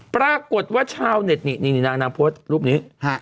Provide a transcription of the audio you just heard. ปรากฏว่าชาวเน็ตนี่นางโพสต์รูปนี้